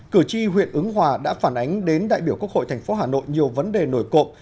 cử tri huyện ứng hòa đã phản ánh đến đại biểu quốc hội thành phố hà nội nhiều vấn đề nổi cộng